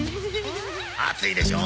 暑いでしょ？